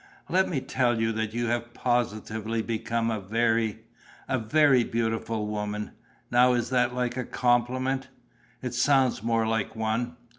"Let me tell you that you have positively become a very ... a very beautiful woman. Now is that like a compliment?" "It sounds more like one."